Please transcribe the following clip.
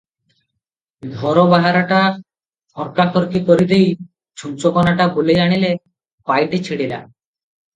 ଘର ବାହାରଟା ଖର୍କାଖର୍କି କରି ଦେଇ ଛୁଞ୍ଚକନାଟା ବୁଲେଇ ଆଣିଲେ ପାଇଟି ଛିଡ଼ିଲା ।